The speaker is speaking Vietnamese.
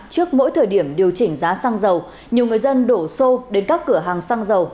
trước mỗi thời điểm điều chỉnh giá xăng dầu nhiều người dân đổ xô đến các cửa hàng xăng dầu